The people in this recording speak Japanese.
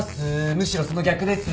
むしろその逆です。